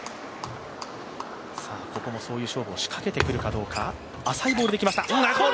ここもそういう勝負を仕掛けてくるかどうか。